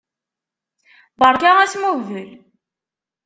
Berka asmuhbel.